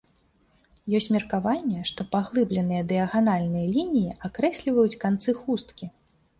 Ёсць меркаванне, што паглыбленыя дыяганальныя лініі акрэсліваюць канцы хусткі.